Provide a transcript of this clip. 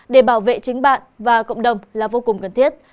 để bảo vệ chính bạn và cộng đồng là vô cùng cần thiết